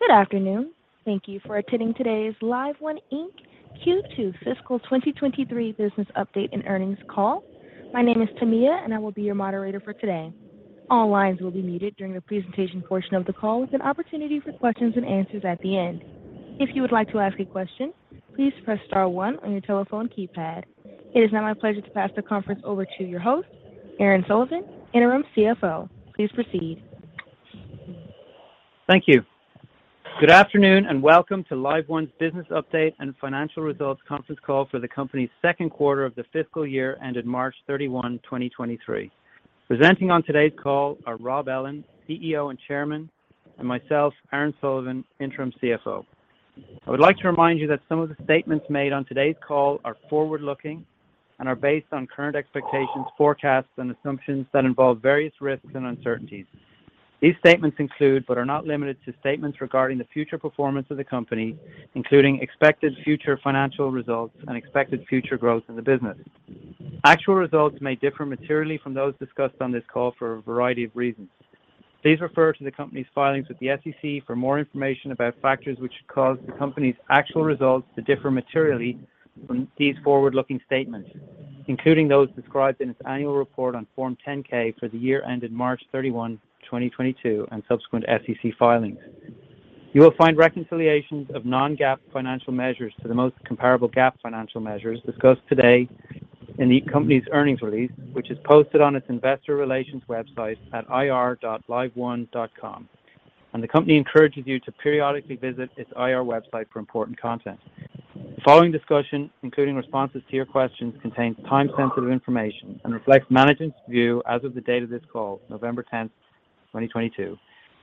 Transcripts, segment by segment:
Good afternoon. Thank you for attending today's LiveOne Inc. Q2 Fiscal 2023 business update and earnings call. My name is Tamia, and I will be your moderator for today. All lines will be muted during the presentation portion of the call with an opportunity for questions and answers at the end. If you would like to ask a question, please press star one on your telephone keypad. It is now my pleasure to pass the conference over to your host, Aaron Sullivan, Interim CFO. Please proceed. Thank you. Good afternoon, and welcome to LiveOne's business update and financial results conference call for the company's Q2 of the FY ended March 31, 2023. Presenting on today's call are Rob Ellin, CEO and Chairman, and myself, Aaron Sullivan, Interim CFO. I would like to remind you that some of the statements made on today's call are forward-looking and are based on current expectations, forecasts, and assumptions that involve various risks and uncertainties. These statements include, but are not limited to, statements regarding the future performance of the company, including expected future financial results and expected future growth in the business. Actual results may differ materially from those discussed on this call for a variety of reasons. Please refer to the company's filings with the SEC for more information about factors which cause the company's actual results to differ materially from these forward-looking statements, including those described in its annual report on Form 10-K for the year ended March 31, 2022, and subsequent SEC filings. You will find reconciliations of non-GAAP financial measures to the most comparable GAAP financial measures discussed today in the company's earnings release, which is posted on its investor relations website at ir.liveone.com. The company encourages you to periodically visit its IR website for important content. The following discussion, including responses to your questions, contains time-sensitive information and reflects management's view as of the date of this call, November 10, 2022.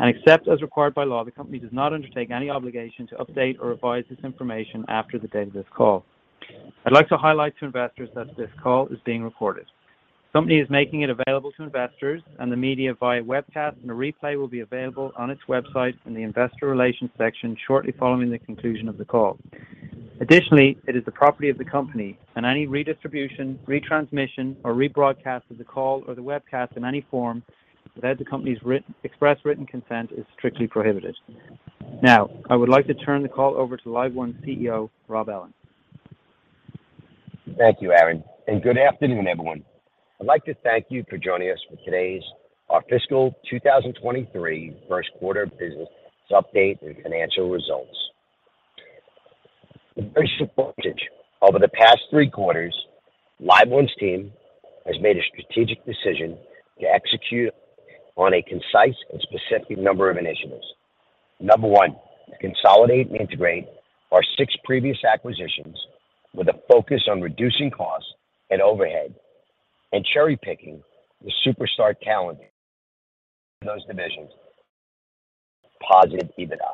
Except as required by law, the company does not undertake any obligation to update or revise this information after the date of this call. I'd like to highlight to investors that this call is being recorded. The company is making it available to investors and the media via webcast, and a replay will be available on its website in the investor relations section shortly following the conclusion of the call. Additionally, it is the property of the company, and any redistribution, retransmission, or rebroadcast of the call or the webcast in any form without the company's express written consent is strictly prohibited. Now, I would like to turn the call over to LiveOne CEO, Rob Ellin. Thank you, Aaron, and good afternoon, everyone. I'd like to thank you for joining us for today's our fiscal 2023 Q1 business update and financial results. Over the past 3 quarters, LiveOne's team has made a strategic decision to execute on a concise and specific number of initiatives. Number 1, to consolidate and integrate our 6 previous acquisitions with a focus on reducing costs and overhead and cherry-picking the superstar talent of those divisions. Positive EBITDA.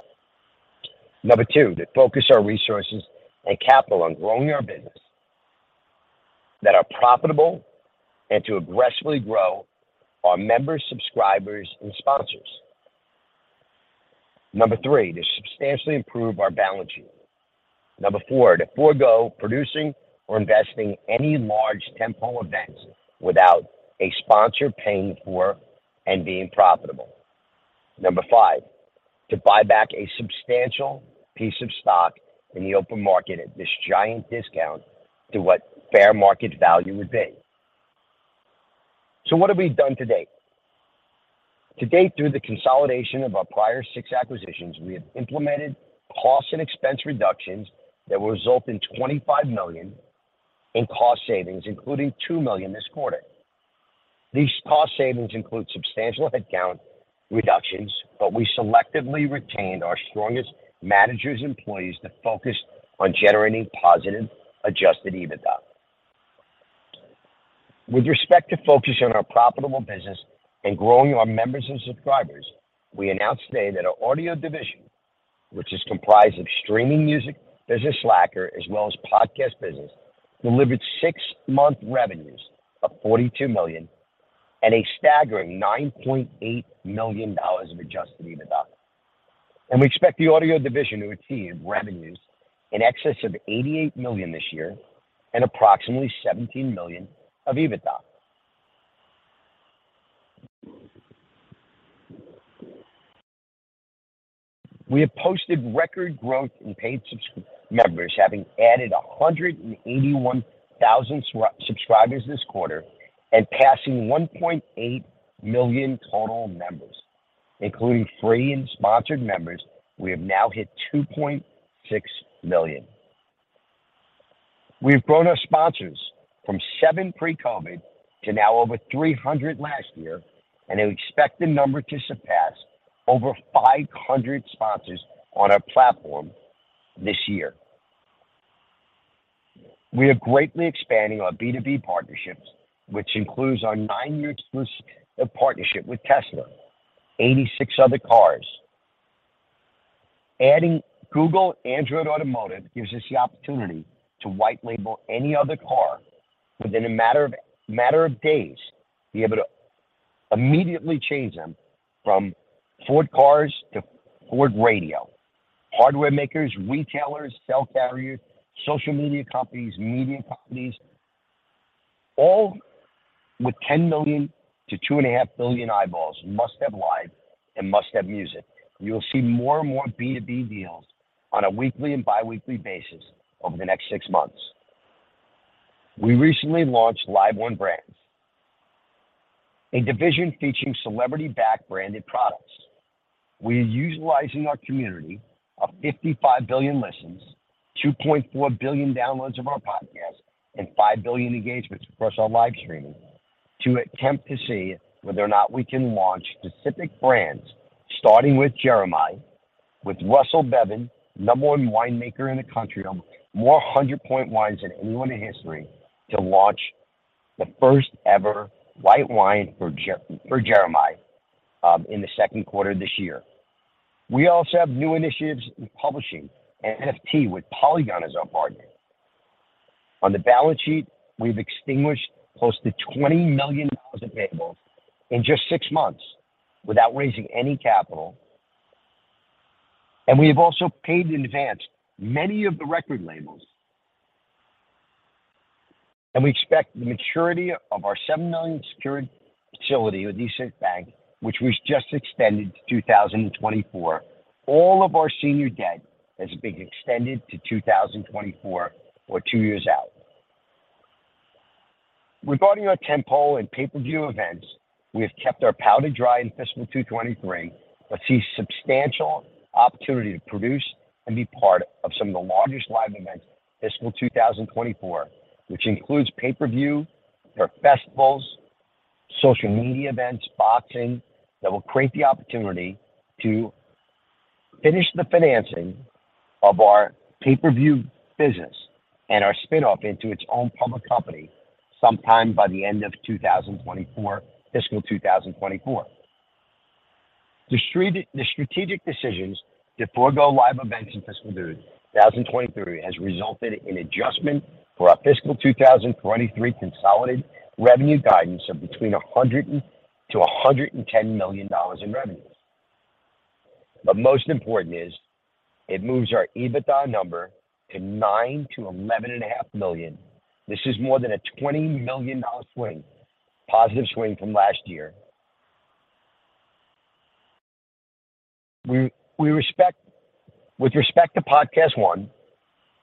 Number 2, to focus our resources and capital on growing our business that are profitable and to aggressively grow our members, subscribers, and sponsors. Number 3, to substantially improve our balance sheet. Number 4, to forego producing or investing any large tentpole events without a sponsor paying for and being profitable. 5, to buy back a substantial piece of stock in the open market at this giant discount to what fair market value would be. What have we done to date? To date, through the consolidation of our prior 6 acquisitions, we have implemented cost and expense reductions that will result in $25 million in cost savings, including $2 million this quarter. These cost savings include substantial headcount reductions, but we selectively retained our strongest managers, employees that focused on generating positive adjusted EBITDA. With respect to focus on our profitable business and growing our members and subscribers, we announced today that our audio division, which is comprised of streaming music business, Slacker, as well as podcast business, delivered 6-month revenues of $42 million and a staggering $9.8 million of adjusted EBITDA. We expect the audio division to achieve revenues in excess of $88 million this year and approximately $17 million of EBITDA. We have posted record growth in paid members, having added 181,000 subscribers this quarter and passing 1.8 million total members, including free and sponsored members. We have now hit 2.6 million. We've grown our sponsors from 7 pre-COVID to now over 300 last year, and we expect the number to surpass over 500 sponsors on our platform this year. We are greatly expanding our B2B partnerships, which includes our 9-year exclusive partnership with Tesla, 86 other cars. Adding Google Android Automotive gives us the opportunity to white label any other car within a matter of days, be able to immediately change them from Ford cars to Ford radio. Hardware makers, retailers, cell carriers, social media companies, media companies. All with 10 million to 2.5 billion eyeballs, Must Have Live and Must Have Music, you will see more and more B2B deals on a weekly and bi-weekly basis over the next 6 months. We recently launched LiveOne Brands, a division featuring celebrity-backed branded products. We are utilizing our community of 55 billion listens, 2.4 billion downloads of our podcasts, and 5 billion engagements across our live streaming to attempt to see whether or not we can launch specific brands, starting with Jeremih, with Russell Bevan, number one winemaker in the country, more hundred-point wines than anyone in history to launch the first ever white wine for Jeremih in the Q2 of this year. We also have new initiatives in publishing an NFT with Polygon as our partner. On the balance sheet, we've extinguished close to $20 million of payables in just 6 months without raising any capital. We have also paid in advance many of the record labels. We expect the maturity of our $7 million secured facility with East West Bank, which was just extended to 2024. All of our senior debt has been extended to 2024 or 2 years out. Regarding our tentpole and pay-per-view events, we have kept our powder dry in fiscal 2023, but see substantial opportunity to produce and be part of some of the largest live events fiscal 2024, which includes pay-per-view or festivals, social media events, boxing, that will create the opportunity to finish the financing of our pay-per-view business and our spin-off into its own public company sometime by the end of 2024, fiscal 2024. The strategic decisions to forego live events in fiscal 2023 has resulted in adjustment for our fiscal 2023 consolidated revenue guidance of between $100-$110 million in revenue. Most important is it moves our EBITDA number to $9-$11.5 million. This is more than a $20 million swing, positive swing from last year. With respect to PodcastOne,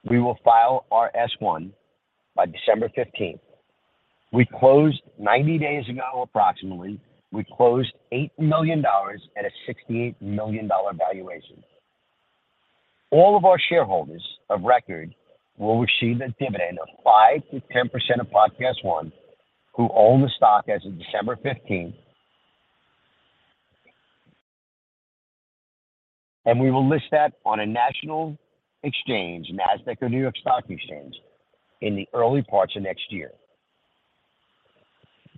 we will file our S-1 by December 15th. We closed 90 days ago, approximately. We closed $8 million at a $68 million valuation. All of our shareholders of record will receive a dividend of 5%-10% of PodcastOne who own the stock as of December 15th. We will list that on a national exchange, Nasdaq or New York Stock Exchange, in the early parts of next year.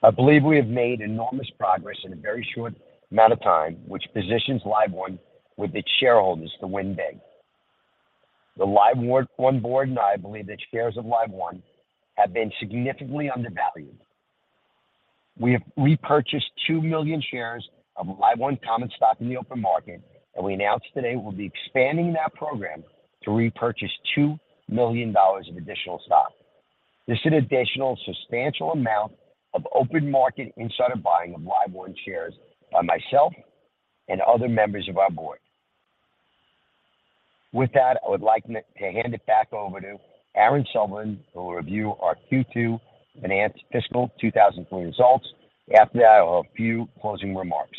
I believe we have made enormous progress in a very short amount of time, which positions LiveOne with its shareholders to win big. The LiveOne board and I believe that shares of LiveOne have been significantly undervalued. We have repurchased 2 million shares of LiveOne common stock in the open market, and we announced today we'll be expanding that program to repurchase $2 million of additional stock. This is an additional substantial amount of open market insider buying of LiveOne shares by myself and other members of our board. With that, I would like to hand it back over to Aaron Sullivan, who will review our Q2 enhanced fiscal 2023 results. After that, I'll have a few closing remarks.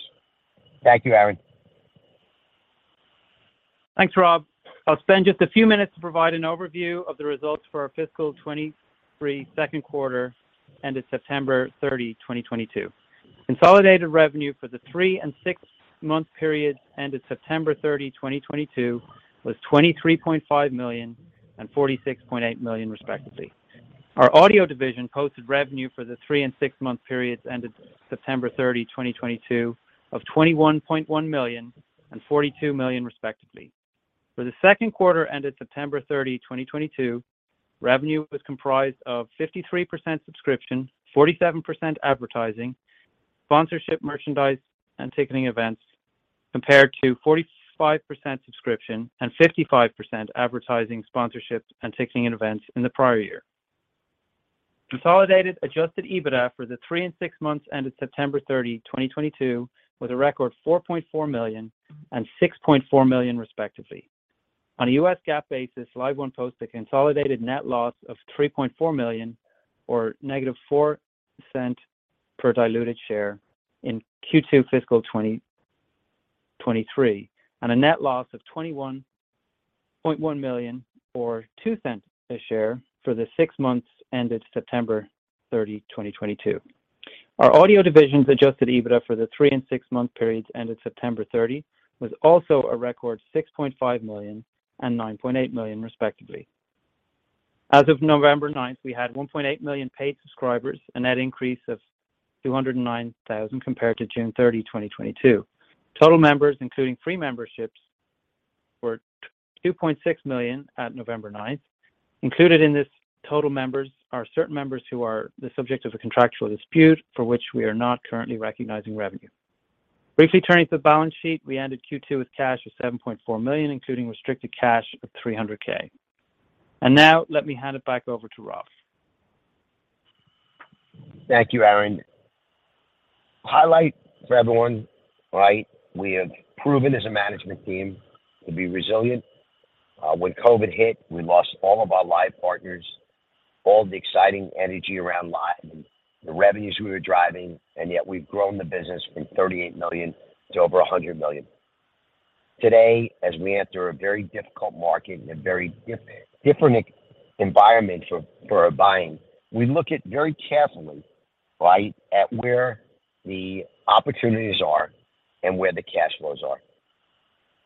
Thank you, Aaron. Thanks, Rob. I'll spend just a few minutes to provide an overview of the results for our fiscal '23 Q2 ended September 30, 2022. Consolidated revenue for the 3 and 6-month period ended September 30, 2022 was $23.5 million and $46.8 million respectively. Our audio division posted revenue for the 3 and 6-month periods ended September 30, 2022 of $21.1 million and $42 million respectively. For the Q2 ended September 30, 2022, revenue was comprised of 53% subscription, 47% advertising, sponsorship, merchandise, and ticketing events, compared to 45% subscription and 55% advertising, sponsorships, and ticketing events in the prior year. Consolidated adjusted EBITDA for the 3 and 6 months ended September 30, 2022 was a record $4.4 million and $6.4 million respectively. On a U.S. GAAP basis, LiveOne posted a consolidated net loss of $3.4 million or negative 4 cents per diluted share in Q2 fiscal 2023, and a net loss of $21.1 million or 2 cents a share for the 6 months ended September 30, 2022. Our audio division's adjusted EBITDA for the 3 and 6-month periods ended September 30 was also a record $6.5 million and $9.8 million respectively. As of November 9, we had 1.8 million paid subscribers, a net increase of 209,000 compared to June 30, 2022. Total members, including free memberships, were 2.6 million at November 9. Included in this total members are certain members who are the subject of a contractual dispute for which we are not currently recognizing revenue. Briefly turning to the balance sheet, we ended Q2 with cash of $7.4 million, including restricted cash of $300K. Now let me hand it back over to Rob Ellin. Thank you, Aaron. Highlight for everyone, right? We have proven as a management team to be resilient. When COVID hit, we lost all of our live partners, all the exciting energy around live and the revenues we were driving, and yet we've grown the business from $38 million to over $100 million. Today, as we enter a very difficult market and a very different environment for our buying, we look at very carefully, right, at where the opportunities are and where the cash flows are.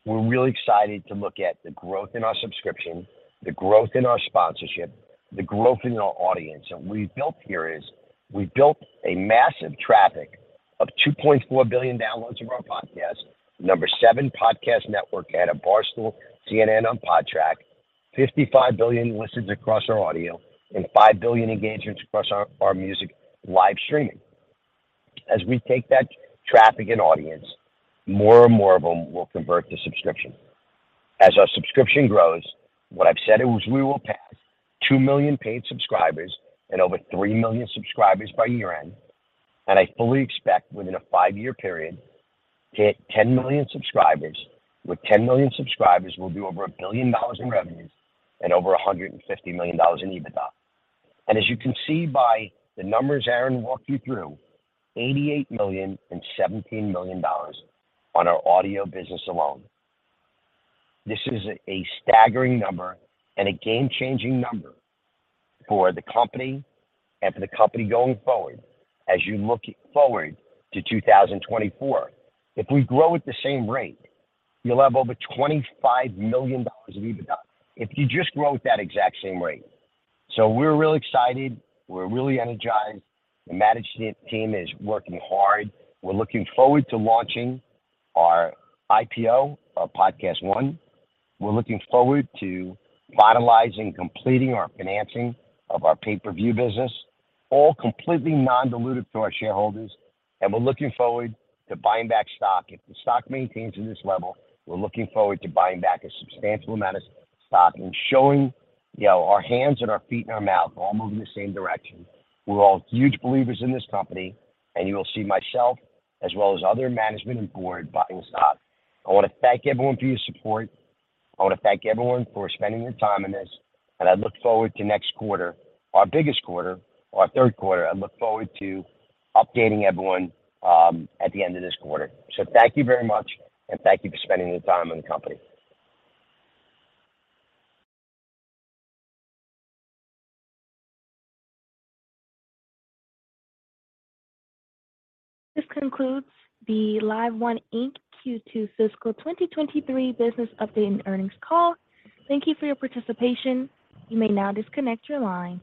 We're really excited to look at the growth in our subscription, the growth in our sponsorship, the growth in our audience. What we've built here is we've built a massive traffic of 2.4 billion downloads of our podcasts. 7 podcast network at Barstool, CNN on Podtrac, 55 billion listens across our audio, and 5 billion engagements across our music live streaming. As we take that traffic and audience, more and more of them will convert to subscription. As our subscription grows, what I've said is we will pass 2 million paid subscribers and over 3 million subscribers by year-end. I fully expect within a 5-year period to hit 10 million subscribers. With 10 million subscribers, we'll do over $1 billion in revenues and over $150 million in EBITDA. As you can see by the numbers Aaron walked you through, $88 million and $17 million on our audio business alone. This is a staggering number and a game-changing number for the company and for the company going forward as you look forward to 2024. If we grow at the same rate, you'll have over $25 million in EBITDA. If you just grow at that exact same rate. We're really excited. We're really energized. The management team is working hard. We're looking forward to launching our IPO of PodcastOne. We're looking forward to finalizing, completing our financing of our pay-per-view business, all completely non-dilutive to our shareholders. We're looking forward to buying back stock. If the stock maintains in this level, we're looking forward to buying back a substantial amount of stock and showing, you know, our hands and our feet and our mouth all moving the same direction. We're all huge believers in this company, and you will see myself as well as other management and board buying stock. I wanna thank everyone for your support. I wanna thank everyone for spending your time in this, and I look forward to next quarter, our biggest quarter, our Q3. I look forward to updating everyone at the end of this quarter. Thank you very much, and thank you for spending the time on the company. This concludes the LiveOne Inc. Q2 fiscal 2023 business update and earnings call. Thank you for your participation. You may now disconnect your line.